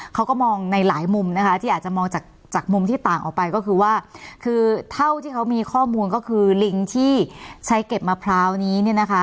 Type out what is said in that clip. เขาก็มองในหลายมุมนะคะที่อาจจะมองจากมุมที่ต่างออกไปก็คือว่าคือเท่าที่เขามีข้อมูลก็คือลิงที่ใช้เก็บมะพร้าวนี้เนี่ยนะคะ